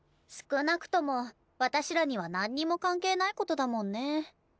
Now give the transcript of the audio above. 少なくとも私らには何にも関係ないことだもんね。